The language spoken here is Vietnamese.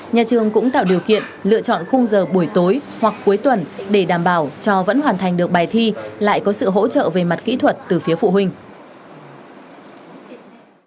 nhà trường cũng tạo điều kiện lựa chọn khung giờ buổi tối hoặc cuối tuần để đảm bảo cho vẫn hoàn thành được bài thi lại có sự hỗ trợ về mặt kỹ thuật từ phía phụ huynh